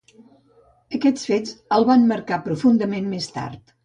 Aquests fets el van marcar profundament més tard.